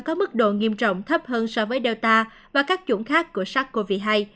có mức độ nghiêm trọng thấp hơn so với delta và các chủng khác của sars cov hai